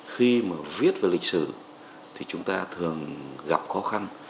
khi mà viết về lịch sử thì chúng ta thường gặp khó khăn